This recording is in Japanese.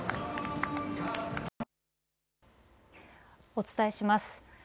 お伝えします。